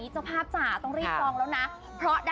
ก้าวน้ำสา